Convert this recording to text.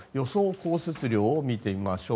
降雪量を見てみましょう。